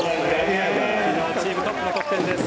昨日はチームトップの得点です。